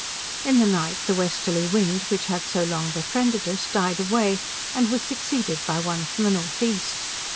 In the night the westerly wind, which had so long befriended us, died away, and was succeeded by one from the north east.